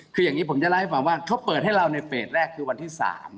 คืออย่างนี้ผมจะเล่าให้ฟังว่าเขาเปิดให้เราในเฟสแรกคือวันที่๓